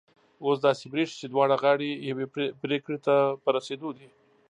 اوس داسي برېښي چي دواړه غاړې یوې پرېکړي ته په رسېدو دي